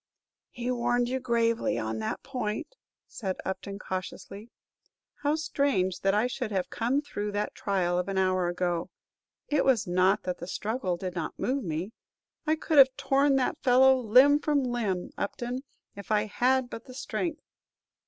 "He warned you gravely on that point," said Upton, cautiously. "How strange that I should have come through that trial of an hour ago! It was not that the struggle did not move me. I could have torn that fellow limb from limb, Upton, if I had but the strength!